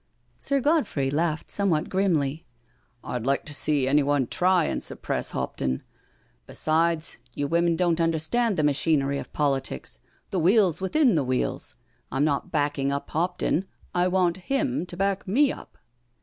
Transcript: '* Sir Godfrey laughed somewhat grimly. " rd like to see anyone try and suppress HoptonI Besides^ you women don't understand the machinery of politics— the wheels within wheels. Tm not backing up Hopton — I want him to back me up.'